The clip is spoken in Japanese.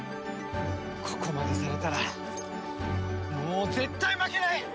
ここまでされたらもう絶対負けない！